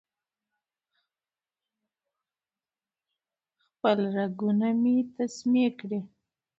خپل رګونه مې تسمې کړې